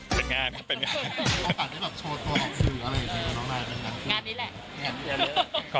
ตอนนี้แบบโชว์ตัวออกซื้ออะไรอย่างนี้แหละ